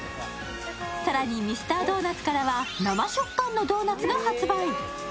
更にミスタードーナツからは生食感のドーナツが発売。